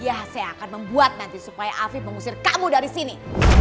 iya saya akan membuat nanti supaya afif mengusir kamu dari sini